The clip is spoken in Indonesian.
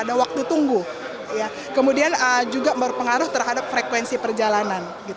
ada waktu tunggu kemudian juga berpengaruh terhadap frekuensi perjalanan